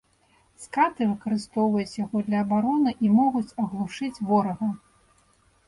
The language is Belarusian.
Скаты выкарыстоўваюць яго для абароны і могуць аглушыць ворага.